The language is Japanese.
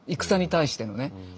戦に対してのね。